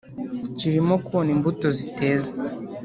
Kirimo kona imbuto ziteze